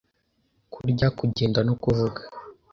Kurya, kugenda no kuvuga.